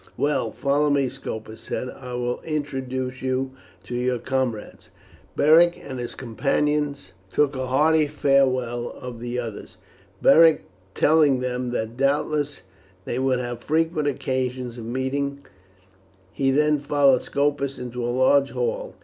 "Well, follow me," Scopus said. "I will introduce you to your comrades." Beric and his companions took a hearty farewell of the others, Beric telling them that doubtless they would have frequent occasions of meeting; he then followed Scopus into a large hall.